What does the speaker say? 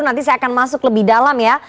nanti saya akan masuk lebih dalam ya